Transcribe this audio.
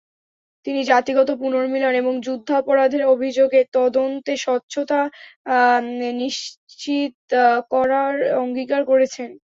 তিনি জাতিগত পুনর্মিলন এবং যুদ্ধাপরাধের অভিযোগ তদন্তে স্বচ্ছতা নিশ্চিত করার অঙ্গীকার করেছেন।